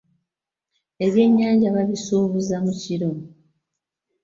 Ebyennyanja babisuubuza mu kkiro.